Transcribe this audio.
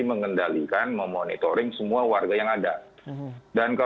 mengendalikan memonitoring semua warga yang ada